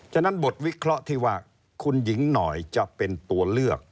ฉะนั้นบทวิเคราะห์ที่ว่าคุณหญิงหน่อยจะเป็นตัวเลือก